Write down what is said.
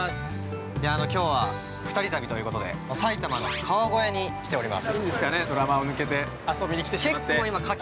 ◆きょうは２人旅ということで埼玉の川越に来ております。